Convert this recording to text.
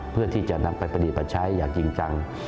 เพื่อที่จะนำไปปฏิมาใช้อย่างจริงจัง